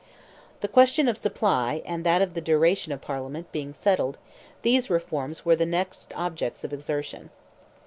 The question of supply, and that of the duration of Parliament, being settled, these reforms were the next objects of exertion.